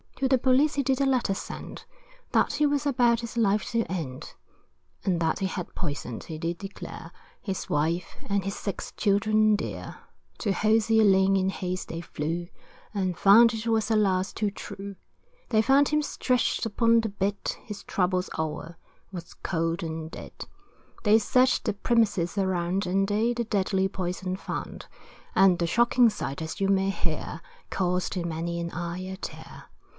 To the police he did a letter send, That he was about this life to end, And that he had poisoned, he did declare His wife, and his six children dear. To Hosier Lane in haste they flew, And found it was alas, too true, They found him stretched upon the bed, His troubles o'er was cold and dead. They searched the premises around, And they the deadly poison found; And the shocking sight, as you may hear, Caused in many an eye a tear.